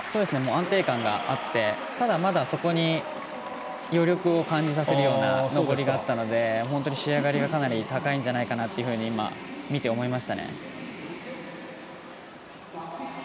安定感があって、ただ、まだそこに余力を感じさせるような登りがあったので、仕上がりが高いんじゃないかなって見て思いましたね。